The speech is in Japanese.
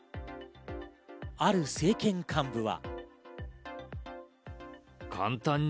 ある政権幹部は。